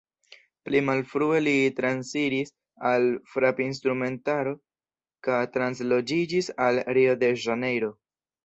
Pli malfrue li transiris al frapinstrumentaro ka transloĝiĝis al Rio-de-Ĵanejro.